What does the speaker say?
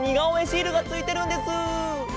シールがついてるんです。